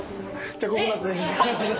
じゃあココナッツに。